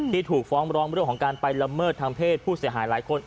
ที่ถูกฟ้องร้องเรื่องของการไปละเมิดทางเพศผู้เสียหายหลายคน